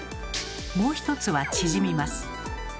もう一つは縮みます。